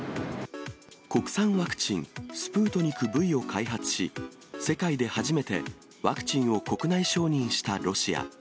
国産ワクチン、スプートニクＶを開発し、世界で初めてワクチンを国内承認したロシア。